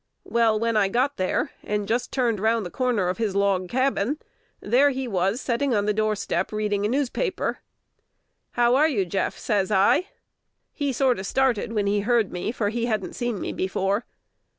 Well, when I got there, and just turned round the corner of his log cabin, there he was setting on the doorstep reading a newspaper. "How are you, Jeff?" says I. He sorter started when he heard me, for he hadn't seen me before.